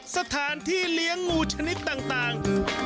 สถานที่เลี้ยงงูชนิดต่าง